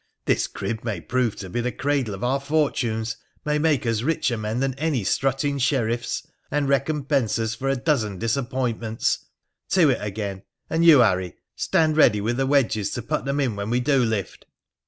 This crib may prove the cradle of our fortunes, may make us richer men than any strutting sheriffs, and recompense us for a dozen disappointments ! To it again ; and you, Harry, stand ready with the wedges to put them in when we do lift.'